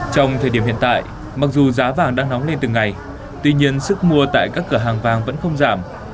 trong thời điểm hiện tại mặc dù giá vàng đang nóng lên từng ngày tuy nhiên sức mua tại các cửa hàng vàng vẫn không giảm